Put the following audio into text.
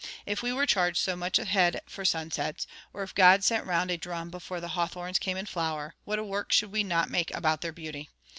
If we were charged so much a head for sunsets, or if God sent round a drum before the hawthorns came in flower, what a work should we not make about their beauty!